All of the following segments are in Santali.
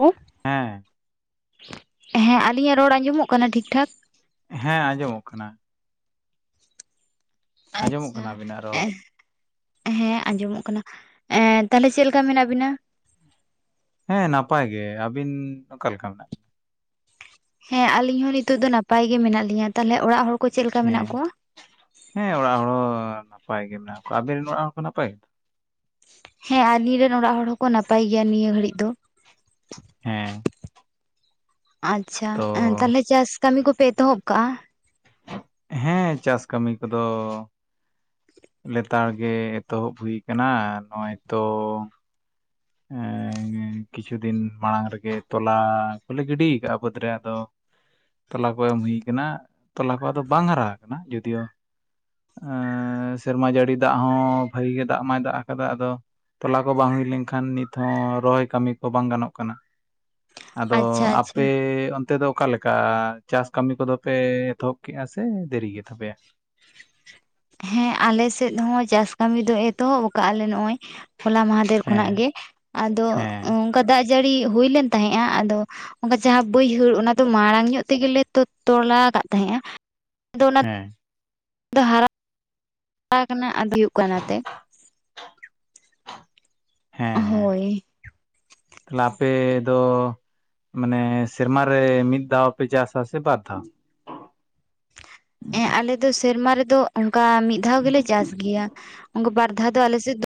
ᱦᱮᱞᱳ ᱦᱮᱸ ᱦᱮᱸ ᱟᱞᱤᱧᱟᱜ ᱨᱚᱲ ᱟᱸᱡᱚᱢᱚᱜ ᱠᱟᱱᱟ ᱴᱷᱤᱠᱴᱷᱟᱠ। ᱦᱮᱸ ᱟᱸᱡᱚᱢᱚᱜ ᱠᱟᱱᱟ। ᱟᱸᱡᱚᱢᱚᱜ ᱟᱪᱪᱷᱟ᱾ ᱠᱟᱱᱟ ᱟᱵᱤᱱᱟᱜ ᱨᱚᱲ [inaudible] ᱦᱮᱸ ᱟᱸᱡᱚᱢᱚᱜ ᱠᱟᱱᱟ ᱮᱸᱻ ᱛᱟᱦᱚᱞᱮ ᱪᱮᱫ ᱞᱮᱠᱟ ᱢᱮᱱᱟᱜ ᱵᱤᱱᱟ? ᱦᱮᱸ ᱱᱟᱯᱟᱭ ᱜᱮ᱾ ᱟᱹᱵᱤᱱ ᱚᱠᱟ ᱞᱮᱠᱟ ᱢᱮᱱᱟᱜ ᱵᱤᱱᱟ ᱦᱮᱸ ᱟᱞᱤᱧ ᱦᱚᱸ ᱱᱤᱛᱚᱜ ᱫᱚ ᱱᱟᱯᱟᱭ ᱜᱮ ᱢᱮᱱᱟᱜ ᱞᱤᱧᱟ ᱛᱟᱦᱟᱞᱮ ᱚᱲᱟᱜ ᱦᱚᱲ ᱠᱚ ᱪᱮᱫ ᱞᱮᱠᱟ ᱢᱮᱱᱟᱜ ᱦᱮᱸ ᱠᱚᱣᱟ? ᱦᱮᱸ ᱚᱲᱟᱜ ᱦᱚᱲ ᱱᱟᱯᱟᱭ ᱜᱮ ᱢᱮᱱᱟᱜ ᱠᱚᱣᱟ ᱟᱵᱮᱱ ᱨᱮᱱ ᱚᱲᱟᱜ ᱦᱚᱲ ᱠᱚ ᱱᱟᱯᱟᱭ ᱜᱮᱛᱚ? ᱦᱮᱸ ᱟᱞᱤᱧ ᱨᱮᱱ ᱚᱲᱟᱜ ᱦᱚᱲ ᱦᱚᱸᱠᱚ ᱱᱟᱯᱟᱭ ᱜᱮᱭᱟ ᱱᱤᱭᱟᱹ ᱜᱷᱟᱹᱲᱤᱡ ᱫᱚ। ᱦᱮᱸ ᱟᱪᱪᱷᱟ ᱛᱚ ᱛᱟᱦᱮᱱᱟ ᱪᱟᱥ ᱠᱟᱹᱢᱤ ᱠᱚᱯᱮ ᱮᱛᱚᱦᱚᱵ ᱠᱟᱜᱼᱟ? ᱦᱮᱸ ᱪᱟᱥ ᱠᱟᱹᱢᱤ ᱠᱚᱫᱚ ᱼᱼ ᱞᱮᱛᱟᱲ ᱜᱮ ᱮᱛᱚᱦᱚᱵ ᱦᱩᱭ ᱠᱟᱱᱟ ᱱᱚᱜᱼᱚᱭ ᱛᱚ [inaudible] ᱠᱤᱪᱷᱩ ᱫᱤᱱ ᱢᱟᱲᱟᱝ ᱨᱮᱜᱮ ᱛᱚᱞᱟ ᱠᱚᱞᱮ ᱜᱤᱰᱤ ᱠᱟᱜᱼᱟ ᱵᱟᱹᱫᱽ ᱨᱮ ᱫᱚ ᱛᱚᱞᱟ ᱠᱚ ᱮᱢ ᱦᱩᱭ ᱟᱠᱟᱱᱟ ᱛᱚᱞᱟ ᱠᱚ ᱟᱫᱚ ᱵᱟᱝ ᱦᱟᱨᱟ ᱟᱠᱟᱱᱟ ᱡᱩᱫᱤᱭᱳ ᱼᱼ ᱮᱸᱻ ᱥᱮᱨᱢᱟ ᱡᱟᱹᱲᱤ ᱫᱟᱜ ᱦᱚᱸ ᱵᱷᱟᱜᱤ ᱜᱮ ᱫᱟᱜ ᱢᱟᱭ ᱫᱟᱜ ᱟᱠᱟᱫᱟ ᱟᱫᱚ ᱼᱼ ᱛᱚᱞᱟ ᱠᱚ ᱵᱟᱝ ᱦᱩᱭ ᱞᱮᱱ ᱼᱼ ᱠᱷᱟᱱ ᱱᱤᱛ ᱦᱚᱸ ᱨᱚᱦᱚᱭ ᱠᱟᱹᱢᱤ ᱠᱚ ᱵᱟᱝ ᱜᱟᱱᱚᱜ ᱠᱟᱱᱟ ᱟᱫᱚ ᱟᱪᱪᱷᱟ ᱟᱪᱪᱷᱟ ᱟᱯᱮ ᱚᱱ ᱼᱼ ᱛᱮ ᱫᱚ ᱚᱠᱟᱮᱠᱟ ᱪᱟᱥ ᱠᱟᱹᱢᱤ ᱠᱚᱫᱚ ᱯᱮ ᱮᱛᱚᱦᱚᱵ ᱠᱮᱜᱼᱟ ᱥᱮ ᱫᱮᱨᱤ ᱜᱮ ᱛᱟᱯᱮᱭᱟ? ᱦᱮᱸ ᱟᱞᱮ ᱥᱮᱫ ᱦᱚᱸ ᱪᱟᱥ ᱠᱟᱹᱢᱤ ᱫᱚ ᱮᱛᱚᱦᱚᱵ ᱟᱠᱟᱫᱼᱟ ᱞᱮ ᱱᱚᱜᱼᱚᱭ। ᱦᱚᱞᱟ ᱢᱟᱦᱟᱫᱮᱨ ᱠᱷᱚᱱᱟᱜ ᱦᱮᱸ ᱜᱮ ᱟᱫᱚ ᱦᱮᱸ ᱚᱱᱠᱟ ᱫᱟᱜ ᱡᱟᱹᱲᱤ ᱦᱩᱭ ᱞᱮᱱ ᱛᱟᱦᱮᱸᱜᱼᱟ ᱟᱫᱚ ᱼᱼ ᱚᱱᱠᱟ ᱡᱟᱦᱟᱸ ᱵᱟᱹᱭᱦᱟᱹᱲ ᱚᱱᱟ ᱫᱚ ᱢᱟᱲᱟᱝ ᱧᱚᱜ ᱛᱮᱜᱮᱞᱮ ᱛᱩᱫ ᱛᱚᱞᱟ ᱠᱟᱜ ᱛᱟᱦᱮᱸᱜᱼᱟ। ᱦᱮᱸ ᱫᱚ ᱦᱟᱨᱟ ᱠᱟᱱᱟ ᱟᱨ ᱦᱩᱭᱩᱜ ᱠᱟᱱᱟ ᱛᱮ ᱦᱳᱭ ᱛᱟᱦᱚᱞᱮ ᱟᱯᱮ ᱫᱚ? ᱢᱟᱱᱮ ᱥᱮᱨᱢᱟᱨ ᱨᱮ ᱢᱤᱫ ᱫᱷᱟᱣ ᱯᱮ ᱪᱟᱥᱟ ᱥᱮ ᱵᱟᱨ ᱫᱷᱟᱣ? ᱦᱮᱸ ᱟᱞᱮ ᱫᱚ ᱥᱮᱨᱢᱟ ᱨᱮᱫᱚ ᱚᱱᱠᱟ ᱢᱤᱫ ᱫᱷᱟᱣ ᱜᱮᱞᱮ ᱪᱟᱥ ᱜᱮᱭᱟ᱾ ᱚᱱᱠᱟ ᱵᱟᱨᱫ ᱫᱷᱟᱣ [inaudible] ᱟᱫᱚ ᱟᱞᱮᱥᱮᱫ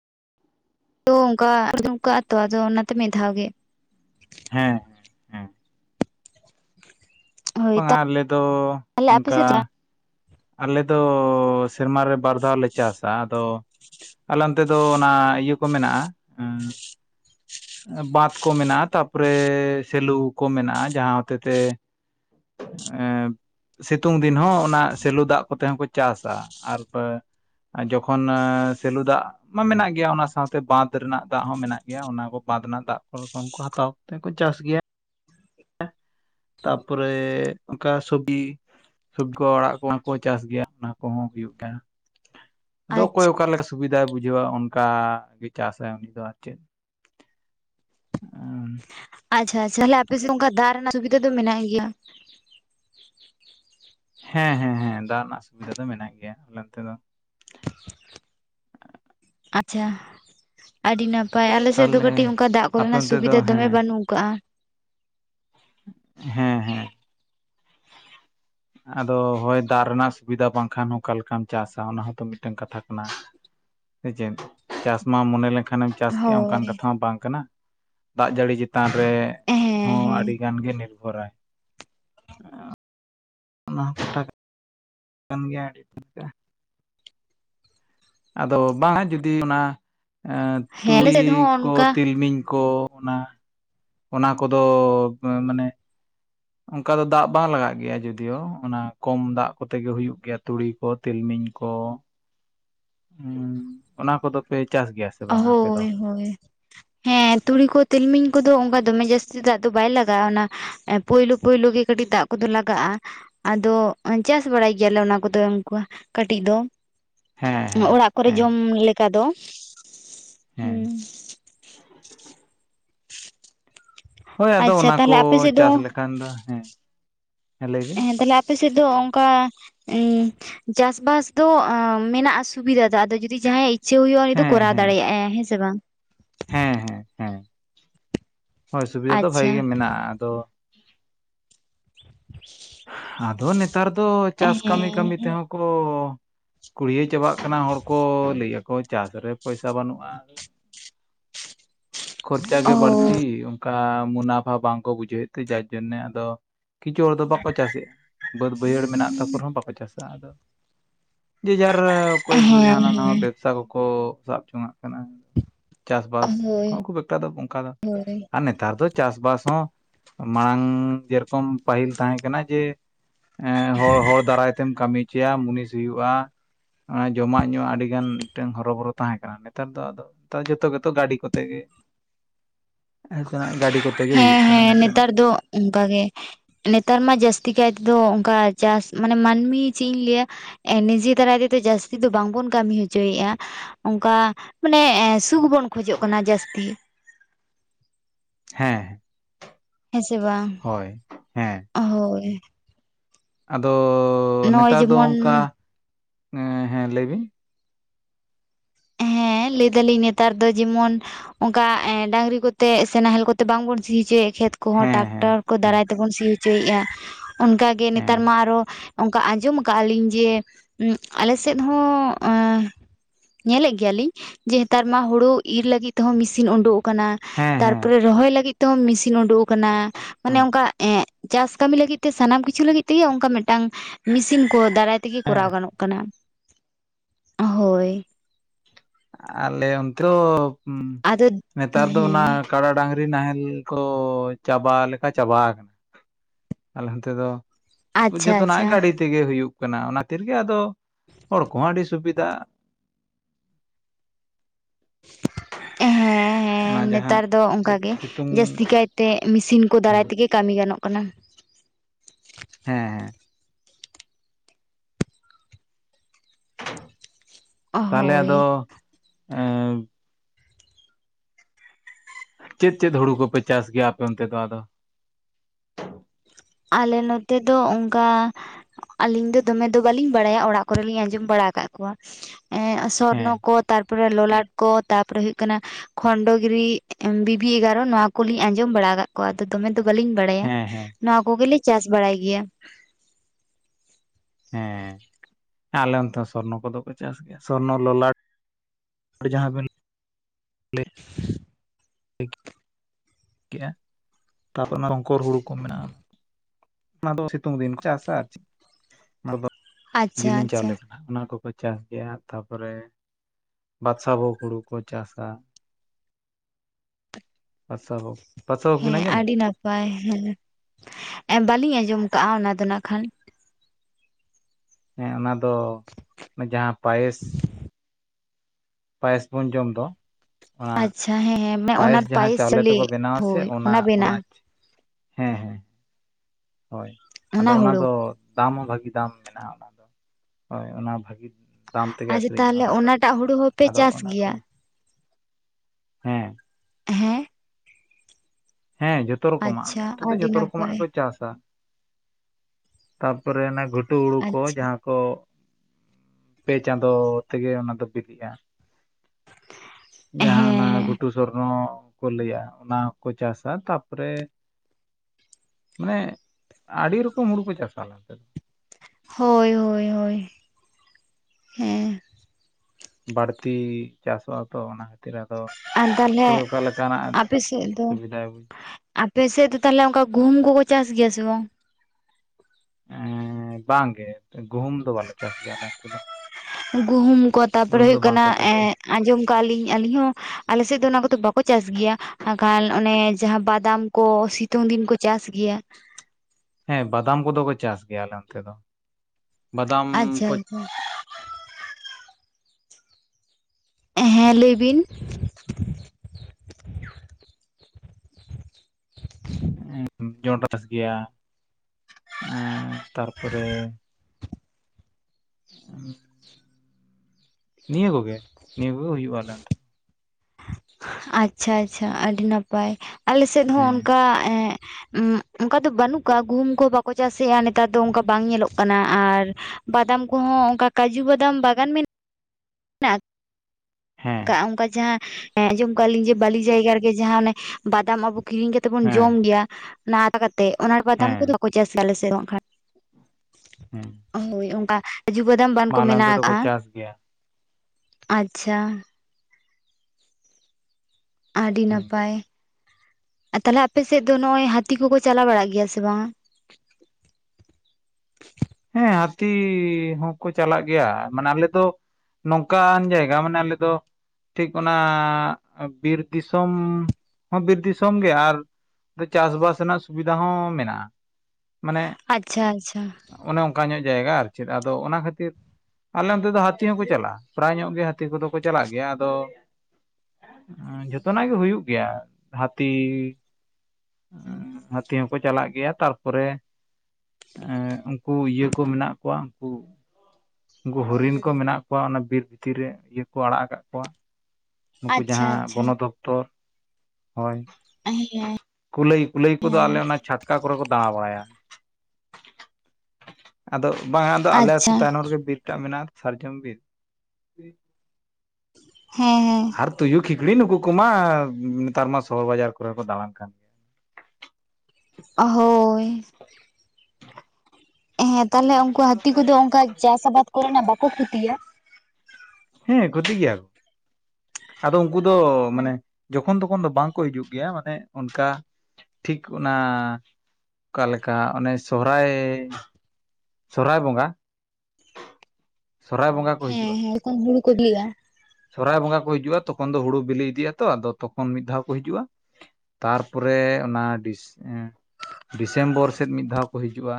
ᱫᱚ ᱚᱱᱮ ᱚᱱᱠᱟ ᱟᱛᱚ ᱟᱫᱚ ᱚᱱᱟᱛᱮ ᱢᱤᱫ ᱫᱷᱟᱣ ᱜᱮ ᱦᱮᱸ ᱦᱮᱸ ᱦᱳᱭ ᱵᱟᱝᱟ ᱟᱞᱮ ᱫᱚ ᱛᱟᱦᱚᱞᱮ ᱟᱯᱮ ᱚᱱᱠᱟ ᱥᱮᱫ ᱼᱼ ᱟᱞᱮ ᱫᱚ ᱥᱮᱨᱢᱟ ᱨᱮ ᱵᱟᱨ ᱫᱷᱟᱣ ᱞᱮ ᱪᱟᱥᱟ᱾ ᱟᱫᱚ ᱼᱼ ᱟᱞᱮ ᱚᱱᱛᱮ ᱫᱚ ᱚᱱᱟ ᱤᱭᱟᱹ ᱠᱚ ᱢᱮᱱᱟᱜᱼᱟ ᱮᱸᱻ [inaudible] ᱵᱟᱸᱫᱷ ᱠᱚ ᱢᱮᱱᱟᱜᱼᱟ ᱛᱟᱯᱚᱨᱮ ᱥᱮᱞᱩ ᱠᱚ ᱢᱮᱱᱟᱜᱼᱟ᱾ ᱡᱟᱦᱟᱸ ᱦᱚᱛᱮ ᱛᱮ ᱼᱼ ᱮᱸᱻ ᱥᱤᱛᱩᱝ ᱫᱤᱱ ᱦᱚᱸ ᱚᱱᱟ ᱼᱼ ᱥᱮᱞᱩ ᱫᱟᱜ ᱠᱚᱛᱮ ᱦᱚᱸᱠᱚ ᱪᱟᱥᱟ ᱟᱨ ᱡᱚᱠᱷᱚᱱ ᱥᱮᱞᱚ ᱫᱟᱜ ᱼᱼ ᱢᱟ ᱢᱮᱱᱟᱜ ᱜᱮᱭᱟ ᱚᱱᱟ ᱥᱟᱶᱛᱮ ᱵᱟᱸᱫ ᱨᱮᱱᱟᱜ ᱫᱟᱜ ᱦᱚᱸ ᱢᱮᱱᱟᱜ ᱜᱮᱭᱟ ᱚᱱᱟ ᱠᱚ ᱵᱟᱸᱫ ᱨᱮᱱᱟᱜ ᱫᱟᱜ ᱠᱚᱨᱮᱠᱚ ᱦᱟᱛᱟᱣ ᱠᱚ ᱪᱟᱥ ᱜᱮᱭᱟ। [inaudible] ᱛᱟᱯᱚᱨᱮ ᱚᱱᱠᱟ ᱥᱚᱵᱡᱤ ᱼᱼ ᱥᱚᱵᱡᱤ [inaudible] ᱠᱚ ᱟᱲᱟᱜ ᱠᱚᱦᱚᱸ ᱠᱚ ᱪᱟᱥ ᱜᱮᱭᱟ ᱚᱱᱟ ᱠᱚᱦᱚᱸ ᱦᱩᱭᱩᱜ ᱜᱮᱭᱟ ᱟᱫᱚ ᱟᱪᱪᱷᱟ ᱚᱠᱚᱭ ᱚᱠᱟ ᱞᱮᱠᱟ ᱼᱼ ᱥᱩᱵᱤᱫᱟᱭ ᱵᱩᱡᱷᱟᱹᱣᱟ ᱚᱱᱠᱟ ᱜᱮ ᱪᱟᱥᱟᱭ ᱩᱱᱤ ᱫᱚ ᱟᱨ ᱪᱮᱫ ᱟᱪᱪᱷᱟ ᱟᱪᱪᱷᱟ ᱛᱟᱦᱟᱞᱮ ᱟᱯᱮ ᱥᱮᱫ ᱚᱱᱠᱟ ᱫᱟᱜ ᱨᱮᱱᱟᱜ ᱥᱩᱵᱤᱫᱟ ᱫᱚ ᱢᱮᱱᱟᱜ ᱜᱮᱭᱟ ᱦᱮᱸ ᱦᱮᱸ ᱦᱮᱸ ᱫᱟᱜ ᱨᱮᱱᱟᱜ ᱥᱩᱵᱤᱫᱷᱟ ᱫᱚ ᱢᱮᱱᱟᱜ ᱜᱮᱭᱟ ᱟᱞᱮ ᱚᱱᱛᱮ ᱫᱚ। ᱟᱪᱪᱷᱟ ᱟᱹᱰᱤ ᱱᱟᱯᱟᱭ ᱟᱞᱮᱥᱮᱫ ᱫᱚ ᱛᱟᱦᱚᱞᱮ ᱠᱟᱹᱴᱤᱡ ᱚᱱᱠᱟ ᱫᱟᱜ ᱟᱯᱮ ᱠᱚᱨᱮᱱᱟᱜ ᱚᱱᱛᱮ ᱫᱚ ᱥᱩᱵᱤᱫᱷᱟ ᱫᱚᱢᱮ ᱦᱮᱸ ᱵᱟᱹᱱᱩᱜ ᱟᱠᱟᱟᱜᱼᱟ। ᱦᱮᱸ ᱦᱮᱸ ᱟᱫᱚ ᱦᱳᱭ ᱫᱟᱜ ᱨᱮᱱᱟᱜ ᱥᱩᱵᱤᱫᱷᱟ ᱵᱟᱝᱠᱷᱟᱱ ᱦᱚᱸ ᱚᱠᱟ ᱞᱮᱠᱟᱢ ᱪᱟᱥᱟ ᱚᱱᱟ ᱦᱚᱸᱛᱚ ᱢᱤᱫᱴᱟᱝ ᱠᱟᱛᱷᱟ ᱠᱟᱱᱟ। ᱥᱮ ᱪᱮᱫ ᱪᱟᱥ ᱢᱟ ᱢᱚᱱᱮ ᱞᱮᱱᱠᱷᱟᱱᱮᱢ ᱪᱟᱥ ᱠᱼᱟ ᱚᱱᱠᱟᱱ ᱦᱳᱭ ᱠᱟᱛᱷᱟ ᱢᱟ ᱵᱟᱝ ᱠᱟᱱᱟ ᱫᱟᱜ ᱡᱟᱹᱲᱤ ᱡ [inaudible] ᱪᱮᱛᱟᱱ [inaudible] ᱦᱮᱸ ᱨᱮᱦᱚᱸ ᱦᱮᱸ ᱟᱹᱰᱤ ᱜᱟᱱ ᱜᱮ ᱱᱤᱨᱵᱷᱚᱨᱟᱭ। ᱚᱱᱟ ᱦᱚᱸ ᱠᱟᱛᱷᱟ ᱼᱼ ᱛᱟᱱ [inaudible] ᱜᱮᱭᱟ ᱟᱹᱰᱤᱛᱮᱫ ᱜᱮ ᱟᱫᱚ ᱵᱟᱝᱟ ᱡᱩᱫᱤ ᱚᱱᱟ ᱼᱼ ᱦᱮᱸ ᱟᱞᱮ ᱛᱩᱲᱤ ᱥᱮᱫ ᱦᱚᱸ ᱠᱚ ᱚᱱᱠᱟ ᱛᱤᱞᱢᱤᱧ ᱠᱚ ᱚᱱᱟ ᱚᱱᱟ ᱠᱚᱫᱚ ᱢᱟᱱᱮ [inaudible] ᱚᱱᱠᱟ ᱫᱚ ᱫᱟᱜ ᱵᱟᱝ ᱞᱟᱜᱟᱜ ᱜᱮᱭᱟ ᱡᱩᱫᱤᱭᱳ ᱚᱱᱟ ᱠᱚᱢ ᱫᱟᱜ ᱠᱚᱛᱮ ᱜᱮ ᱦᱩᱭᱩᱜ ᱜᱮᱭᱟ ᱛᱩᱲᱤ ᱠᱚ ᱛᱤᱞᱢᱤᱧ ᱠᱚ ᱚᱱᱟ ᱠᱚᱫᱚ ᱯᱮ ᱪᱟᱥ ᱜᱮᱭᱟ ᱥᱮ ᱵᱟᱝᱟ ᱟᱯᱮ ᱫᱚ? ᱦᱳᱭ ᱦᱳᱭ ᱦᱮᱸ ᱦᱮᱸ ᱛᱩᱲᱤ ᱠᱚ ᱛᱤᱞᱢᱤᱧ ᱠᱚᱫᱚ ᱚᱱᱠᱟ ᱫᱚᱢᱮ ᱡᱟᱹᱥᱛᱤ ᱫᱟᱜ ᱫᱚ ᱵᱟᱭ ᱞᱟᱜᱟᱜᱼᱟ ᱚᱱᱟ ᱯᱩᱭᱞᱳ ᱯᱩᱭᱞᱩ ᱜᱮ ᱠᱟᱹᱴᱤᱡ ᱫᱟᱜ ᱟᱫᱚ ᱞᱟᱜᱟᱜᱼᱟ ᱟᱫᱚ ᱪᱟᱥ ᱵᱟᱲᱟᱭ ᱜᱮᱭᱟᱞᱮ ᱚᱱᱟ ᱠᱚᱫᱚ ᱚᱝᱠᱣᱟ ᱠᱟᱹᱴᱤᱡ ᱫᱚ ᱦᱮᱸ ᱦᱮᱸ ᱚᱲᱟᱜ ᱠᱚᱨᱮ ᱦᱮᱸ ᱡᱚᱢ ᱞᱮᱠᱟ ᱫᱚ ᱦᱮᱸ ᱦᱩᱸ [unintelligible] ᱦᱳᱭ ᱟᱫᱚ ᱟᱪᱪᱷᱟ ᱚᱱᱟ ᱠᱚ ᱛᱟᱦᱞᱮ ᱟᱯᱮ ᱥᱮᱫ ᱫᱚ ᱪᱟᱥ ᱞᱮᱠᱷᱟᱱ ᱫᱚ ᱦᱮᱸ᱾ ᱦᱮᱸ ᱞᱟᱹᱭ ᱵᱤᱱ [inaudible] ᱛᱟᱦᱟᱞᱮ ᱟᱯᱮ ᱥᱮᱫ ᱫᱚ ᱚᱱᱠᱟ ᱼᱼ ᱸ ᱪᱟᱥᱵᱟᱥ ᱫᱚ ᱢᱮᱱᱟᱜᱼᱟ ᱥᱩᱵᱤᱫᱟ ᱫᱚ ᱟᱫᱚ ᱡᱩᱫᱤ ᱡᱟᱦᱟᱸᱭᱟᱜ ᱪᱮᱫ ᱦᱩᱭᱩᱜᱼᱟ ᱩᱱᱤ ᱫᱚ ᱦᱮᱸ ᱠᱚᱨᱟᱣ ᱦᱮᱸ ᱫᱟᱲᱮᱭᱟᱜᱼᱟᱭ ᱦᱮᱸ ᱥᱮ ᱵᱟᱝ ᱦᱮᱸ ᱦᱮᱸ ᱦᱮᱸ ᱦᱳᱭ ᱥᱩᱵᱤᱫᱟ ᱫᱚ ᱟᱪᱪᱷᱟ ᱵᱷᱟᱜᱤ ᱜᱮ ᱢᱮᱱᱟᱜᱼᱟ ᱟᱫᱚ [inaudible] ᱟᱫᱚ ᱱᱮᱛᱟᱨ ᱫᱚ ᱪᱟᱥ ᱠᱟᱹᱢᱤ ᱠᱟᱹᱢᱤ ᱦᱮᱸ ᱛᱮᱦᱚᱸ ᱠᱚ ᱠᱩᱲᱭᱟᱹ ᱪᱟᱵᱟᱜ ᱠᱟᱱᱟ ᱠᱟᱱᱟ ᱦᱚᱲ ᱠᱚ ᱞᱟᱹᱭ ᱟᱠᱚ ᱪᱟᱥ ᱨᱮ ᱯᱚᱭᱥᱟ ᱵᱟᱱᱩᱜᱼᱟ ᱠᱷᱚᱨᱪᱟ ᱚ ᱜᱮ ᱵᱟᱹᱲᱛᱤ ᱚᱱᱠᱟ ᱢᱩᱱᱟᱯᱷᱟ ᱵᱟᱝᱠᱚ ᱵᱩᱡᱷᱟᱹᱣᱮᱫ ᱛᱮ ᱡᱟᱨ ᱡᱚᱱᱱᱮ ᱟᱫᱚ ᱠᱤᱪᱷᱩ ᱦᱚᱲ ᱫᱚ ᱵᱟᱠᱚ ᱪᱟᱥᱮᱜᱼᱟ ᱵᱟᱹᱫ ᱵᱟᱹᱭᱦᱟᱹᱲ ᱢᱮᱱᱟᱜ ᱛᱟᱠᱚ ᱨᱮᱦᱚᱸ ᱵᱟᱠᱚ ᱪᱟᱥᱟ ᱟᱫᱚ ᱡᱟᱹᱭ ᱡᱟᱨ ᱚᱠᱚᱭ ᱦᱮᱸ ᱦᱟᱱᱟ ᱱᱟᱣᱟ ᱦᱮᱸ ᱵᱮᱵᱥᱟ ᱠᱚᱠᱚ ᱥᱟᱵ ᱡᱚᱱᱟᱜ ᱠᱟᱱᱟ ᱪᱟᱥᱵᱟᱥ ᱦᱳᱭ ᱦᱚᱸ ᱠᱷᱩᱵ ᱮᱠᱴᱟ ᱫᱚ ᱚᱱᱠᱟ ᱫᱚ ᱦᱳᱭ ᱟᱨ ᱱᱮᱛᱟᱨ ᱫᱚ ᱪᱟᱥ ᱵᱟᱥ ᱦᱚᱸ ᱢᱟᱲᱟᱝ ᱡᱮᱨᱚᱠᱚᱢ ᱯᱟᱹᱦᱤᱞ ᱛᱟᱦᱮᱸ ᱠᱟᱱᱟ ᱡᱮ ᱮ ᱦᱚᱲ ᱦᱚᱲ ᱫᱟᱨᱟᱭ ᱛᱮᱢ ᱠᱟᱹᱢᱤ ᱦᱚᱪᱚᱭᱟ ᱢᱩᱱᱤᱥ ᱦᱩᱭᱩᱜᱼᱟ ᱚᱱᱟ ᱡᱚᱢᱟᱜ ᱧᱩᱣᱟᱜ ᱟᱹᱰᱤ ᱜᱟᱱ ᱢᱤᱫᱴᱟᱝ ᱦᱚᱨᱚᱚᱵᱚᱨᱚ ᱛᱟᱦᱮᱸ ᱠᱟᱱᱟ ᱱᱮᱛᱟᱨ ᱫᱚ ᱟᱫᱚ ᱡᱚᱛᱚ ᱜᱮᱛᱚ ᱜᱟᱹᱰᱤ ᱠᱚᱛᱮ ᱛᱮᱜᱮ ᱜᱟᱹᱰᱤ ᱠᱚᱛᱮ ᱜᱮ ᱦᱩᱭᱩᱜ ᱠᱟᱱᱟ ᱡᱚᱛᱚᱱᱟᱜ ᱚᱱᱠᱟᱟᱜᱮ ᱱᱮᱛᱟᱨ ᱢᱟ ᱡᱟᱹᱥᱛᱤ ᱠᱟᱭ ᱛᱮᱫᱚ ᱚᱱᱠᱟ ᱪᱟᱥ ᱢᱟᱱᱮ ᱢᱟᱹᱱᱢᱤ ᱪᱮᱫ ᱤᱧ ᱞᱟᱹᱭᱟ ᱱᱤᱡᱮ ᱫᱟᱨᱟᱭ ᱛᱮᱫᱚ ᱡᱟᱹᱥᱛᱤ ᱫᱚ ᱵᱟᱝᱵᱚᱱ ᱠᱟᱹᱢᱤ ᱦᱚᱪᱚᱭᱮᱫᱼᱟ ᱚᱱᱠᱟ ᱢᱟᱱᱮ ᱥᱩᱠ ᱵᱚᱱ ᱠᱷᱚᱡᱚᱜ ᱠᱟᱱᱟ ᱡᱟᱹᱥᱛᱤ ᱦᱮᱸ ᱦᱮᱸ ᱥᱮᱮ ᱵᱟᱝ ᱦᱳᱭ ᱦᱮᱸ ᱦᱳᱭ ᱟᱫᱚ ᱱᱚᱜᱼᱚᱭ ᱱᱮᱛᱟᱨ ᱫᱚ ᱡᱮᱢᱚᱱ ᱚᱱᱠᱟ ᱦᱮᱸ ᱞᱟᱹᱭ ᱵᱤᱱ ᱦᱮᱸ ᱞᱟᱹᱭ ᱫᱟᱞᱤᱧ ᱱᱮᱛᱟᱨ ᱫᱚ ᱡᱮᱢᱚᱱ ᱚᱱᱠᱟ ᱮ ᱰᱟᱝᱨᱤ ᱠᱚᱛᱮ ᱥᱮ ᱱᱟᱦᱮᱞ ᱠᱚᱛᱮ ᱵᱟᱝᱵᱚᱱ ᱥᱤᱪᱚᱭᱭᱟ ᱠᱷᱮᱛ ᱠᱚᱦᱚᱸ ᱦᱮᱸ ᱦᱮᱸ ᱴᱟᱠᱴᱟᱨ ᱠᱚ ᱦᱮᱸ ᱫᱟᱨᱟᱭ ᱛᱮᱵᱚᱱ ᱥᱤ ᱦᱚᱪᱚᱭᱮᱫᱼᱟ ᱚᱱᱠᱟᱜᱮ ᱱᱮᱛᱟᱨ ᱦᱮᱸ ᱢᱟ ᱟᱨᱚ ᱚᱱᱠᱟ ᱟᱸᱡᱚᱢ ᱟᱠᱟᱫᱼᱟ ᱞᱤᱧ ᱡᱮ ᱟᱞᱮ ᱥᱮᱫ ᱦᱚᱸ ᱧᱮᱞᱮᱫ ᱜᱮᱭᱟᱞᱤᱧ ᱡᱮ ᱱᱮᱛᱟᱨ ᱢᱟ ᱦᱩᱲᱳ ᱤᱨ ᱞᱟᱹᱜᱤᱫ ᱛᱮᱦᱚᱸ ᱢᱮᱥᱤᱱ ᱩᱰᱩᱠ ᱟᱠᱟᱱᱟ ᱦᱮᱸ ᱦᱮᱸ ᱛᱟᱨᱯᱚᱨᱮ ᱨᱚᱦᱚᱭ ᱞᱟᱹᱜᱤᱫ ᱛᱮᱦᱚᱸ ᱢᱮᱥᱤᱱ ᱩᱰᱩᱠ ᱟᱠᱟᱱᱟ ᱢᱟᱱᱮ ᱦᱮᱸ ᱚᱱᱠᱟ ᱪᱟᱥ ᱠᱟᱹᱢᱤ ᱞᱟᱹᱜᱤᱫᱤᱫ ᱛᱮ ᱥᱟᱱᱟᱢ ᱠᱤᱪᱷᱩ ᱞᱟᱹᱜᱤᱫ ᱛᱮᱜᱮ ᱚᱱᱠᱟ ᱢᱤᱫᱴᱟᱝ ᱢᱮᱥᱤᱱ ᱠᱚ ᱫᱟᱨᱟᱭ ᱛᱮ ᱛᱮᱜᱮ ᱦᱮᱸ ᱠᱚᱨᱟᱣ ᱜᱟᱱᱚᱜ ᱠᱟᱱᱟ ᱦᱳᱭ ᱟᱞᱮ [unintelligible] ᱟᱫᱚ ᱱᱮᱛᱟᱨ ᱫᱚ ᱦᱮᱸ ᱚᱱᱟ ᱠᱟᱰᱟ ᱰᱟᱝᱨᱤ ᱱᱟᱦᱮᱞ ᱠᱚ ᱪᱟᱵᱟ ᱞᱮᱠᱟ ᱪᱟᱵᱟ ᱟᱠᱟᱱᱟ ᱟᱞᱮ ᱱᱚᱱᱛᱮ ᱫᱚ ᱟᱪᱪᱷᱟ ᱡᱚᱛᱚᱱᱟᱜ ᱟᱪᱪᱷᱟ ᱜᱟᱹᱰᱤ ᱛᱮᱜᱮ ᱦᱩᱭᱩᱜ ᱠᱟᱱᱟ ᱚᱱᱟ ᱛᱤᱨ ᱜᱮ ᱟᱫᱚ ᱦᱚᱲ ᱠᱚᱦᱚᱸ ᱟᱹᱰᱤ ᱥᱩᱵᱤᱫᱷᱟ ᱦᱮᱸ ᱚᱱᱟ ᱦᱮᱸ ᱡᱟᱦᱟᱸ ᱱᱮᱛᱟᱨ ᱫᱚ ᱚᱱᱠᱟ ᱜᱮ ᱥᱤᱛᱩᱝ ᱡᱟᱹᱥᱛᱤ ᱠᱟᱭᱛᱮ ᱢᱤᱥᱤᱱ ᱠᱚ ᱫᱟᱨᱟᱭ ᱛᱮᱜᱮ ᱠᱟᱹᱢᱤ ᱜᱟᱱᱚᱜ ᱠᱟᱱᱟ᱾ ᱦᱮᱸ ᱦᱮᱸ ᱛᱟᱦᱚᱞᱮ ᱦᱳᱭ ᱟᱫᱚ ᱮᱻ ᱪᱮᱫ ᱪᱮᱫ ᱦᱳᱲᱳ ᱠᱚᱯᱮ ᱪᱟᱥ ᱜᱮᱭᱟ ᱟᱯᱮ ᱚᱱᱛᱮ ᱫᱚ ᱟᱫᱚ? ᱟᱞᱮ ᱱᱚᱛᱮ ᱫᱚ ᱚᱱᱠᱟ ᱟᱹᱞᱤᱧ ᱫᱚ ᱫᱚᱢᱮ ᱫᱚ ᱵᱟᱹᱞᱤᱧ ᱵᱟᱲᱟᱭᱟ ᱚᱲᱟᱜ ᱠᱚᱨᱮ ᱞᱤᱧ ᱟᱸᱡᱚᱢ ᱵᱟᱲᱟ ᱟᱠᱟᱜ ᱠᱚᱣᱟ ᱮ ᱥᱚᱨᱱᱚ ᱦᱮᱸ ᱠᱚ ᱛᱟᱨᱯᱚᱨᱮ ᱞᱚᱞᱟᱴ ᱠᱚ ᱛᱟᱨᱯᱚᱨᱮ ᱦᱩᱭᱩᱜ ᱠᱟᱱᱟ ᱠᱷᱚᱱᱰᱚ ᱜᱤᱨᱤ ᱵᱤᱵᱤ ᱮᱜᱟᱨᱚ ᱱᱚᱣᱟ ᱠᱚᱞᱤᱧ ᱟᱸᱡᱚᱢ ᱵᱟᱲᱟ ᱟᱠᱟᱫ ᱠᱚᱣᱟ ᱟᱫᱚ ᱫᱚᱢᱮ ᱫᱚ ᱵᱟᱹᱞᱤᱧ ᱵᱟᱲᱟᱭᱟ ᱦᱮᱸ ᱦᱮᱸ ᱱᱚᱣᱟ ᱠᱚᱜᱮ ᱞᱮ ᱪᱟᱥ ᱵᱟᱲᱟᱭ ᱜᱮᱭᱟ ᱦᱮᱸ ᱟᱞᱮ ᱚᱱᱛᱮ ᱥᱚᱨᱱᱚ ᱠᱚᱫᱚ ᱠᱚ ᱪᱟᱥ ᱜᱮᱭᱟ ᱥᱚᱨᱱᱚ ᱞᱚᱞᱟᱴ ᱟᱨ ᱡᱟᱦᱟᱸ ᱵᱮᱱ ᱞᱟᱹᱭ [unintelligible] ᱠᱮᱜᱼᱟ ᱛᱟᱨᱯᱚᱨ ᱚᱱᱟ ᱨᱚᱝᱠᱚᱨ ᱦᱳᱲᱳ ᱠᱚ ᱢᱮᱱᱟᱜᱼᱟ ᱚᱱᱟ ᱫᱚ ᱥᱤᱛᱩᱝ ᱫᱤᱱ ᱪᱟᱥᱟ [unintelligible] ᱟᱨ ᱪᱤ ᱚᱱᱟ ᱫᱚ ᱟᱪᱪᱷᱟ ᱡᱤᱞᱮᱧ ᱟᱪᱪᱷᱟ ᱪᱟᱣᱞᱮ ᱠᱟᱱᱟ ᱚᱱᱟ ᱠᱚᱠᱚ ᱪᱟᱥ ᱜᱮᱭᱟ ᱛᱟᱯᱚᱨᱮ [unintelligible] ᱵᱷᱳᱜᱽ ᱦᱳᱲᱳ ᱠᱚ ᱪᱟᱥᱟ [unintelligible] ᱵᱟᱫᱥᱟ ᱵᱷᱳᱜᱽ ᱵᱤᱱ ᱦᱮᱸ ᱟᱸᱡᱚᱢ ᱟᱹᱰᱤ ᱟᱠᱟᱫᱟ ᱱᱟᱯᱟᱭ ᱵᱟᱭ ᱦᱮᱸ ᱵᱟᱹᱞᱤᱧ ᱟᱸᱡᱚᱢ ᱟᱠᱟᱜᱼᱟ ᱚᱱᱟ ᱫᱚ ᱱᱟᱜ ᱠᱷᱟᱱ ᱦᱮᱸ ᱚᱱᱟ ᱫᱚ ᱡᱟᱦᱟᱸ ᱯᱟᱭᱮᱥ ᱯᱟᱭᱮᱥ ᱵᱚᱱ ᱡᱚᱢ ᱫᱚ ᱚᱱᱟ ᱟᱪᱪᱷᱟ ᱦᱮᱸ ᱦᱮᱸ ᱚᱱᱟ ᱯᱟᱭᱮᱥ ᱡᱟᱦᱟᱸ ᱪᱟᱣᱞᱮ ᱪᱚᱞᱮ ᱛᱮᱵᱚ ᱵᱮᱱᱟᱣᱟ ᱥᱮ ᱦᱳᱭ ᱚᱱᱟ ᱵᱮᱱᱟᱜᱼᱟ ᱚᱱᱟᱡᱽ ᱦᱮᱸ ᱦᱮᱸ ᱦᱳᱭ ᱟᱫᱚ ᱚᱱᱟ ᱫᱚ ᱫᱟᱢ ᱦᱚᱸ ᱵᱷᱟᱹᱜᱤ ᱫᱟᱢ ᱢᱮᱱᱟᱜᱼᱟ ᱚᱱᱟ ᱫᱚ ᱦᱳᱭ ᱚᱱᱟ ᱵᱷᱟᱹᱜᱤ ᱟᱪᱪᱷᱟ ᱛᱟᱦᱚᱞᱮ ᱚᱱᱟᱴᱟᱜ ᱦᱳᱲᱳ ᱦᱚᱸᱯᱮ ᱟᱫᱚ ᱪᱟᱥ ᱚᱱᱟ ᱜᱮᱭᱟ ᱠᱚ ᱦᱮᱸ ᱦᱮᱸ ᱦᱮᱸ ᱡᱷᱚᱛᱚ ᱨᱚᱠᱚᱢᱟᱜ ᱟᱪᱪᱷᱟ ᱟᱞᱮ ᱚᱱᱛᱮ ᱫᱚ ᱟᱹᱰᱤ ᱡᱷᱚᱛᱚ ᱨᱚᱠᱚᱢᱟᱜ ᱱᱟᱯᱟᱭ ᱜᱮᱠᱚ ᱪᱟᱥᱟ ᱛᱟᱯᱚᱨᱮ ᱚᱱᱟ ᱜᱷᱩᱴᱩ ᱦᱳᱲᱳ ᱠᱚ ᱟᱪᱪᱷᱟ ᱡᱟᱦᱟᱸ ᱠᱚ ᱯᱮ ᱪᱟᱸᱫᱚ ᱛᱮᱜᱮ ᱚᱱᱟ ᱫᱚ ᱵᱤᱞᱤᱜᱼᱟ ᱦᱮᱸ ᱡᱟᱦᱟᱸ ᱚᱱᱟ ᱦᱮᱸ ᱜᱷᱩᱴᱩ ᱥᱚᱨᱱᱚ ᱠᱚ ᱞᱟᱹᱭᱟ ᱚᱱᱟ ᱦᱚᱠᱚ ᱪᱟᱥᱟ ᱟ ᱛᱟᱯᱚᱨᱮ ᱢᱟᱱᱮ ᱟᱹᱰᱤ ᱨᱚᱠᱚᱢ ᱦᱳᱲᱳ ᱠᱚ ᱪᱟᱥᱟ ᱟᱞᱮ ᱱᱚᱛᱮ ᱫᱚ ᱦᱳᱭ ᱦᱳᱭ ᱦᱳᱭ ᱦᱮᱸ ᱵᱟᱹᱲᱛᱤ ᱪᱟᱥᱚᱜᱼᱟ ᱛᱚ ᱚᱱᱟ ᱠᱷᱟᱹᱛᱤᱨ ᱟᱫᱚ ᱟᱨ ᱛᱟᱦᱚᱞᱮ ᱚᱠᱚᱭ ᱚᱠᱟ ᱞᱮᱠᱟᱱᱟᱜ ᱟᱯᱮ ᱥᱮᱫ ᱫᱚ ᱥᱩᱵᱤᱫᱷᱟᱭ ᱵᱩᱡ ᱟᱯᱮ ᱥᱮᱫ ᱫᱚ ᱛᱟᱦᱚᱞᱮ ᱚᱱᱠᱟ ᱜᱩᱦᱩᱢ ᱠᱚᱠᱚ ᱪᱟᱥ ᱜᱮᱭᱟ ᱥᱮ ᱵᱟᱝ ᱮᱸᱻ ᱵᱟᱝᱜᱮ ᱜᱩᱦᱩᱢ ᱫᱚ ᱵᱟᱞᱮ ᱪᱟᱥ ᱜᱮᱭᱟ ᱟᱞᱮ ᱱᱚᱛᱮ ᱫᱚ ᱜᱩᱦᱩᱢ ᱠᱚ ᱛᱟᱯᱚᱨᱮ ᱜᱩᱦᱩᱢ ᱫᱚ ᱦᱩᱭᱩᱜ ᱠᱟᱱᱟ ᱵᱟᱝᱠᱚ ᱮᱸᱻ ᱪᱟᱥᱟ ᱟᱸᱡᱚᱢ ᱟᱠᱟᱜᱼᱟ ᱞᱤᱧ ᱟᱹᱞᱤᱧ ᱦᱚᱸ ᱟᱞᱮ ᱥᱮᱫ ᱫᱚ ᱱᱚᱣᱟ ᱠᱚᱫᱚ ᱵᱟᱠᱚ ᱪᱟᱥ ᱜᱮᱭᱟ [unintelligible] ᱚᱱᱮ ᱡᱟᱦᱟᱸ ᱵᱟᱫᱟᱢ ᱠᱚ ᱥᱤᱛᱩᱝ ᱫᱤᱱ ᱠᱚ ᱪᱟᱥ ᱜᱮᱭᱟ ᱦᱮᱸ ᱵᱟᱫᱟᱢ ᱠᱚᱫᱚ ᱠᱚ ᱪᱟᱥ ᱜᱮᱭᱟ ᱟᱞᱮ ᱚᱱᱛᱮ ᱫᱚ ᱵᱟᱫᱟᱢ ᱟᱪᱪᱷᱟ ᱠᱚ ᱟᱪᱪᱷᱟ ᱦᱮᱸ ᱞᱟᱹᱭ ᱵᱤᱱ [unintelligible] ᱪᱟᱥ ᱜᱮᱭᱟ ᱛᱟᱨᱯᱚᱨᱮ ᱱᱤᱭᱟᱹ ᱠᱚᱜᱮ ᱱᱤᱭᱟᱹ ᱠᱚᱜᱮ ᱦᱩᱭᱩᱜᱼᱟ ᱟᱞᱮ ᱚᱱᱛᱮ ᱟᱪᱪᱷᱟ ᱟᱪᱪᱷᱟ ᱟᱹᱰᱤ ᱱᱟᱯᱟᱭ ᱟᱞᱮ ᱥᱮᱫ ᱦᱚᱸ ᱦᱮᱸ ᱚᱱᱠᱟ ᱮᱸᱻ ᱚᱱᱠᱟ ᱫᱚ ᱵᱟᱹᱱᱩᱜ ᱠᱚᱣᱟ ᱜᱩᱦᱩᱢ ᱠᱚ ᱵᱟᱠᱚ ᱪᱟᱥᱮᱫᱼᱟ ᱱᱮᱛᱟᱨ ᱫᱚ ᱚᱱᱠᱟ ᱵᱟᱝ ᱧᱮᱞᱚᱜ ᱠᱟᱱᱟ ᱟᱨ ᱵᱟᱫᱟᱢ ᱠᱚᱦᱚᱸ ᱚᱱᱠᱟ ᱠᱟᱡᱩ ᱵᱟᱫᱟᱢ ᱵᱟᱜᱟᱱ ᱢᱮᱱᱟᱜᱼᱟ [unintelligible] ᱦᱮᱸ ᱚᱱᱠᱟ ᱡᱟᱦᱟᱸ ᱦᱮᱸ ᱟᱸᱡᱚᱢ ᱠᱟᱜ ᱞᱤᱧ ᱡᱮ ᱵᱟᱹᱞᱤ ᱡᱟᱭᱜᱟ ᱨᱮᱜᱮ ᱡᱟᱦᱟᱸ ᱚᱱᱮ ᱵᱟᱫᱟᱢ ᱟᱵᱚ ᱠᱤᱨᱤᱧ ᱠᱟᱛᱮᱜ ᱵᱚᱱ ᱦᱮᱸ ᱡᱚᱢ ᱜᱮᱭᱟ ᱱᱟ ᱠᱟᱛᱮᱫ ᱚᱱᱟ ᱵᱟᱫᱟᱢ ᱦᱮᱸ ᱠᱚᱫᱚ ᱵᱟᱠᱚ ᱪᱟᱥ ᱟᱞᱮᱥᱮᱫ ᱟᱜᱠᱷᱟᱱ ᱦᱮᱸ ᱦᱳᱭ ᱚᱱᱠᱟ ᱠᱟᱡᱩ ᱵᱟᱫᱟᱢ ᱵᱟᱱ ᱢᱟ ᱠᱚ ᱟᱞᱮ ᱚᱱᱛᱮ ᱢᱮᱱᱟᱜ ᱫᱚᱠᱚ ᱟᱠᱟᱜ ᱪᱟᱥ ᱜᱮᱭᱟ ᱟᱪᱪᱷᱟ ᱟᱹᱰᱤ ᱦᱮᱸ ᱱᱟᱯᱟᱭ ᱛᱟᱦᱚᱞᱮ ᱟᱯᱮ ᱥᱮᱫ ᱫᱚ ᱱᱚᱜᱼᱚᱭ ᱦᱟᱹᱛᱤ ᱠᱚᱠᱚ ᱪᱟᱞᱟᱣ ᱵᱟᱲᱟᱜ ᱜᱮᱭᱟ ᱥᱮ ᱵᱟᱝ ᱦᱮᱸ ᱦᱟᱹᱛᱤ ᱦᱚᱸᱠᱚ ᱪᱟᱞᱟᱜ ᱜᱮᱭᱟ ᱢᱟᱱᱮ ᱟᱞᱮ ᱫᱚ ᱱᱚᱝᱠᱟᱱ ᱡᱟᱭᱜᱟ ᱢᱟᱱᱮ ᱟᱞᱮ ᱫᱚ ᱴᱷᱤᱠ ᱚᱱᱟ ᱵᱤᱨ ᱫᱤᱥᱚᱢ ᱦᱚᱸ ᱵᱤᱨ ᱫᱤᱥᱚᱢ ᱜᱮ ᱟᱨ ᱫᱚ ᱪᱟᱥ ᱵᱟᱥ ᱨᱮᱱᱟᱜ ᱥᱩᱵᱤᱫᱟ ᱦᱚᱸ ᱢᱮᱱᱟᱜ-ᱟ, ᱢᱟᱱᱮ ᱟᱪᱪᱷᱟ ᱟᱪᱪᱷᱟ᱾ ᱚᱱᱮ ᱚᱱᱠᱟ ᱧᱚᱜ ᱡᱟᱭᱜᱟ ᱟᱨ ᱪᱮᱫ ᱟᱫᱚ ᱚᱱᱟ ᱠᱷᱟᱹᱛᱤᱨ ᱟᱞᱮ ᱚᱱᱛᱮ ᱫᱚ ᱦᱟᱛᱤ ᱦᱚᱸᱠᱚ ᱪᱟᱞᱟᱜ-ᱟ ᱯᱨᱟᱭ ᱧᱚᱜ ᱜᱮ ᱦᱟᱹᱛᱤ ᱠᱚᱫᱚ ᱠᱚ ᱪᱟᱞᱟᱜ ᱜᱮᱭᱟ ᱟᱫᱚ ᱟᱸ ᱡᱷᱚᱛᱚ ᱱᱟᱜ ᱜᱮ ᱦᱩᱭᱩᱜ ᱜᱮᱭᱟ ᱦᱟᱹᱛᱤ ᱮᱸ ᱦᱟᱹᱛᱤ ᱦᱚᱸᱠᱚ ᱪᱟᱞᱟᱜ ᱜᱮᱭᱟ ᱛᱟᱨᱯᱚᱨᱮ ᱮᱸᱜ ᱩᱱ ᱠᱩ ᱤᱭᱟᱹ ᱠᱚ ᱢᱮᱱᱟᱜ ᱠᱚᱣᱟ ᱩᱱᱠᱩᱼᱼ ᱩᱱᱠᱩ ᱦᱚᱨᱤᱱ ᱠᱚ ᱢᱮᱱᱟᱜ ᱠᱚᱣᱟ ᱚᱱᱟ ᱵᱤᱨ ᱵᱷᱤᱛᱤᱨ ᱨᱮ ᱤᱭᱟᱹ ᱠᱚ ᱟᱲᱟᱜ ᱟᱠᱟᱜ ᱠᱚᱣᱟ᱾ ᱱᱩᱠᱩ ᱟᱪᱪᱷᱟ ᱡᱟᱦᱟᱸ ᱟᱪᱪᱷᱟ ᱵᱚᱱᱚᱫᱚᱯᱛᱚᱨ ᱦᱳᱭ ᱦᱮᱸ ᱜᱮ᱾ ᱠᱩᱞᱟᱹᱭ ᱠᱩᱞᱟᱹᱭ ᱠᱚᱫᱚ ᱟᱞᱮ ᱚᱱᱟ ᱪᱷᱟᱴᱠᱟ ᱠᱚᱨᱮ ᱠᱚ ᱫᱟᱬᱟ ᱵᱟᱲᱟᱭᱟ᱾ ᱟᱫᱚ ᱵᱟᱝᱟ ᱟᱫᱚ ᱟᱞᱮ ᱟᱹᱛᱩ ᱟᱪᱪᱷᱟ ᱛᱟᱭᱱᱚᱢ ᱨᱮᱜ ᱵᱤᱨ ᱴᱟᱜ ᱢᱮᱱᱟᱜ-ᱟ ᱥᱟᱨᱡᱚᱢ ᱵᱤᱨ, ᱵᱤᱨ᱾ ᱦᱮᱸ ᱦᱮᱸ ᱦᱟᱨ ᱛᱩᱭᱩ ᱠᱷᱤᱸᱠᱬᱤ ᱱᱩᱠᱩ ᱠᱩᱢᱟ ᱚᱵᱻ ᱱᱮᱛᱟᱨ ᱢᱟ ᱥᱚᱦᱚᱨ ᱵᱟᱡᱟᱨ ᱠᱚᱨᱮ ᱦᱚᱸ ᱠᱚ ᱫᱟᱬᱟᱱ ᱠᱟᱱ᱾ ᱜᱮᱭᱟ ᱚ ᱦᱳᱭ᱾ [inaudible] ᱦᱮᱸ ᱛᱟᱦᱚᱞᱮ ᱩᱱᱠᱩ ᱦᱟᱹᱛᱤ ᱠᱚᱫᱚ ᱚᱱᱠᱟ ᱪᱟᱥ ᱟᱵᱟᱛ ᱠᱚᱨᱮ ᱱᱟᱜ ᱵᱟᱠᱚ ᱠᱷᱩᱛᱤᱭᱟ? ᱦᱮᱸ ᱠᱷᱚᱛᱤᱭ ᱜᱮᱭᱟ, ᱟᱫᱚ ᱩᱱᱠᱩ ᱫᱚ ᱦᱮᱸ ᱢᱟᱱᱮ ᱡᱚᱠ ᱛᱚᱠᱷᱚᱱ ᱛᱚᱠᱷᱚᱱ ᱫᱚ ᱵᱟᱝ ᱠᱚ ᱦᱤᱡᱩᱜ ᱜᱮᱭᱟ ᱢᱟᱱᱮ ᱚᱱᱠᱟ ᱴᱷᱤᱠ ᱚᱱᱟ ᱚᱠᱟᱞ ᱮᱠᱟ ᱚᱱᱮ ᱥᱚᱦᱨᱟᱭ ᱥᱚᱨᱦᱟᱭ ᱵᱚᱸᱜᱟ, ᱥᱚᱨᱦᱟᱭ ᱵᱚᱸᱜᱟ ᱠᱚ ᱦᱮᱸ ᱦᱤᱡᱩᱜ-ᱟ᱾ ᱡᱚᱠᱷᱚᱱ ᱦᱩᱲᱩ ᱠᱚ ᱵᱤᱞᱤᱜᱼᱟ ᱥᱚᱦᱨᱟᱭ ᱵᱚᱸᱜᱟ ᱠᱚ ᱦᱤᱡᱩᱜ-ᱟ ᱛᱚᱠᱷᱚᱱ ᱫᱚ ᱦᱩᱲᱩ ᱵᱮᱞᱮ ᱤᱫᱤᱜ-ᱟ ᱛᱚ ᱟᱫᱚ ᱛᱚᱠᱷᱚᱱ ᱢᱤᱫ ᱫᱷᱟᱣ ᱠᱚ ᱦᱤᱡᱩᱜ-ᱟ᱾ ᱛᱟᱨᱯᱚᱨᱮ ᱚᱱᱟ ᱰᱤᱥ ᱮᱸ ᱰᱤᱥᱮᱢᱵᱚᱨ ᱥᱮᱫ ᱢᱤᱫ ᱫᱷᱟᱣ ᱠᱚ ᱦᱤᱡᱩᱜ-ᱟ᱾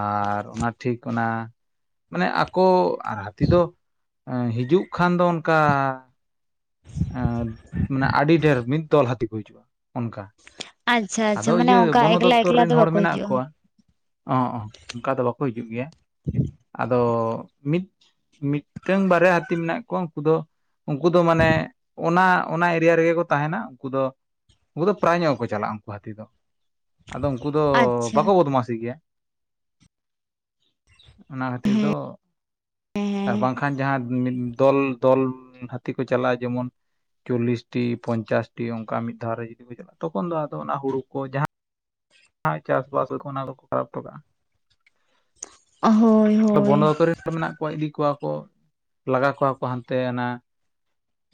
ᱟᱨ ᱚᱱᱟ ᱴᱷᱤᱠ ᱚᱱᱟ᱾ ᱢᱟᱱᱮ ᱟᱠᱚ ᱦᱟᱛᱤ‌ ᱫᱚ ᱮᱸ ᱦᱤᱡᱩᱜ ᱠᱷᱟᱱ ᱫᱚ ᱚᱱᱠᱟ ᱮᱸᱫ ᱢᱟᱱᱮ ᱟᱰᱤ ᱰᱷᱮᱨ ᱢᱤᱫ ᱫᱚᱞ ᱦᱟᱹᱛᱤ ᱠᱚ ᱦᱤᱡᱩᱜ-ᱟ ᱚᱱᱠᱟ ᱟᱪᱪᱷᱟ ᱟᱪᱪᱷᱟ ᱟᱫᱚ ᱢᱟᱱᱮ ᱤᱭᱟᱹ ᱚᱱᱠᱟ ᱵᱚᱱᱚ ᱮᱠᱞᱟ ᱫᱚᱯᱛᱚᱨ ᱮᱠᱞᱟ ᱨᱮᱱ ᱫᱚ ᱦᱚᱲ ᱵᱟᱠᱚ ᱢᱮᱱᱟᱜ ᱦᱤᱡᱩᱜᱼᱟ ᱠᱚᱣᱟ ᱚᱸ ᱚᱱᱠᱟ ᱫᱚ ᱵᱟᱠ ᱠᱚ ᱦᱤᱡᱩᱜ ᱜᱮᱭᱟ᱾ ᱟᱫᱚ ᱢᱤᱫ ᱢᱤᱫᱴᱟᱹᱝ ᱵᱟᱨᱭᱟ ᱦᱟᱹᱛᱤ ᱢᱮᱱᱟᱜ ᱠᱚᱣᱟ ᱩᱱᱠᱩ ᱫᱚ ᱩᱱᱠᱩ ᱫᱚ ᱢᱟᱱᱮ ᱚᱱᱟ ᱚᱱᱟ ᱮᱨᱤᱭᱟ ᱨᱮᱜᱮ ᱠᱚ ᱛᱟᱦᱮᱱᱟ ᱩᱱᱠᱩ ᱫᱚ ᱩᱱᱠᱩ ᱫᱚ ᱯᱨᱟᱭ ᱧᱚᱜ ᱜᱮᱠᱚ ᱪᱟᱞᱟᱜ-ᱟ ᱩᱱᱠᱩ ᱦᱟᱹᱛᱤ ᱫᱚ ᱟᱫᱚ ᱩᱱᱠᱩ ᱫᱚ ᱟᱪᱪᱷᱟ ᱵᱟᱠᱚ ᱵᱚᱫᱽᱢᱟᱥᱤ ᱜᱮᱭᱟ᱾ ᱚᱱᱟ ᱠᱷᱟᱹᱛᱤᱨ ᱫᱚ ᱟᱨ ᱦᱮᱸ ᱵᱟᱝᱠᱷᱟᱱ ᱡᱟᱦᱟᱸ ᱢᱤᱫ ᱫᱚᱞ ᱫᱚᱞ ᱦᱟᱹᱛᱤ ᱠᱚ ᱪᱟᱞᱟᱜ-ᱟ ᱡᱮᱢᱚᱱᱼᱼ ᱪᱚᱞᱞᱤᱥ ᱴᱤ ᱯᱚᱧᱪᱟᱥ ᱴᱤ ᱚᱱᱠᱟ ᱢᱤᱫ ᱫᱷᱟᱣ ᱨᱮ ᱡᱩᱫᱤ ᱠᱚ ᱪᱟᱞᱟᱜ-ᱟ ᱛᱚᱠᱷᱚᱱ ᱫᱚ ᱟᱫᱚ ᱚᱱᱟ ᱦᱩᱲᱩ ᱠᱚ ᱡᱟᱦᱟᱸ ᱦᱟᱸ ᱪᱟᱥᱼᱵᱟᱥ ᱚᱱᱟ ᱫᱚᱠᱚ ᱠᱷᱟᱨᱟᱯ ᱚᱴᱚ ᱠᱟᱜ-ᱟ, ᱦᱳᱭ ᱦᱳᱭ ᱵᱚᱱᱟ ᱫᱚᱛᱚ ᱨᱤᱱ ᱢᱮᱱᱟᱜ ᱠᱚᱣᱟ ᱤᱫᱤ ᱠᱚᱣᱟ ᱠᱚ ᱞᱟᱜᱟ ᱠᱚᱣᱟ ᱠᱚ ᱦᱟᱱᱛᱮ ᱚᱱᱟ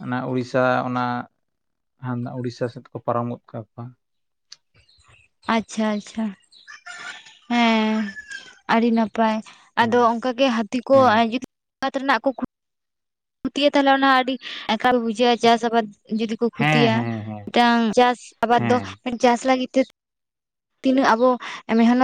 ᱚᱱᱟ ᱩᱲᱤᱥᱟ ᱚᱱᱟ ᱦᱟᱱᱟ ᱩᱲᱤᱥᱟ ᱥᱮᱛ ᱠᱚ ᱯᱟᱨᱚᱢ ᱜᱚᱜ ᱠᱟᱠᱚᱣᱟ᱾ ᱟᱪᱪᱷᱟ ᱟᱪᱪᱷᱟ ᱦᱮᱸ ᱟᱲᱤ ᱱᱟᱯᱟᱭ ᱟᱫᱚ ᱦᱮᱸ ᱚᱱᱠᱟ ᱜᱮ ᱦᱟᱹᱛᱤ ᱠᱚ ᱦᱮᱸ [unintelligible] ᱨᱮᱱᱟᱜ ᱠᱚ ᱠᱷᱩ ᱠᱷᱩᱛᱤᱭᱟ ᱛᱟᱦᱚᱞᱮ ᱚᱱᱟ ᱟᱹᱰᱤ ᱮᱠᱟᱞ ᱵᱩᱡᱷᱟᱹᱜ-ᱟ ᱪᱟᱥ ᱟᱵᱟᱫᱽ ᱡᱩᱫᱤ ᱠᱚ ᱦᱮᱸ ᱠᱷᱚᱛᱤᱭᱟ᱾ ᱦᱮᱸ ᱦᱮᱸ ᱢᱤᱫᱴᱟᱝ ᱪᱟᱥ ᱟᱵᱟᱫᱽ ᱫᱚ ᱦᱮᱸ ᱢᱤᱫ ᱪᱟᱥ ᱞᱟᱹᱜᱤᱫ ᱛᱮ ᱛᱤᱱᱟᱹᱜ ᱟᱵᱚ ᱢᱮᱦᱱᱚᱛ